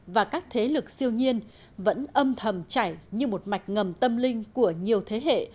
và các thế lực siêu nhiên vẫn âm thầm chảy như một mạch ngầm tâm linh của nhiều thế hệ